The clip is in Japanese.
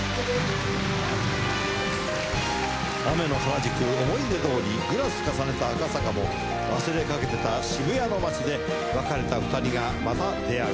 雨の原宿思い出通りグラス重ねた赤坂も忘れかけてた渋谷の街で別れた２人がまた出会う。